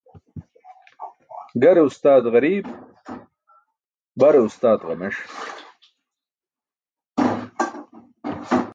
Gare ustaat ġariib, bare ustaat ġames